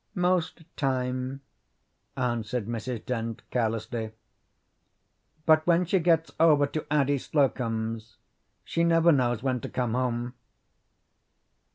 "Most time," answered Mrs. Dent carelessly; "but when she gets over to Addie Slocum's she never knows when to come home."